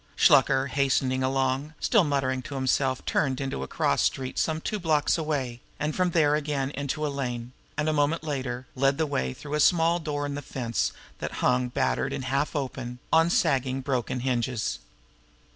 Shluker, hastening along, still muttering to himself, turned into a cross street some two blocks away, and from there again into a lane; and, a moment later, led the way through a small door in the fence that hung, battered and half open, on sagging and broken hinges.